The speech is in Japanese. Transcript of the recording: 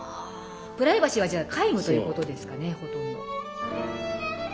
プライバシーはじゃあ皆無ということですかねほとんど。